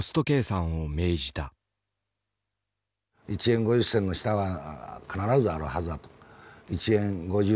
１円５０銭の下は必ずあるはずだと。